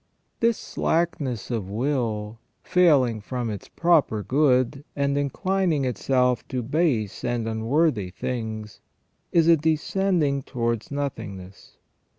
This slackness of will, failing from its proper good, and inclining itself to base and unworthy things, is a descending towards nothingness.